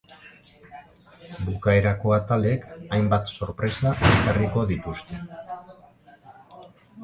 Bukaerako atalek hainbat sorpresa ekarriko dituzte.